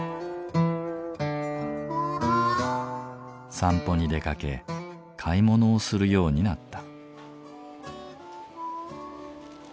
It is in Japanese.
散歩に出かけ買い物をするようになった。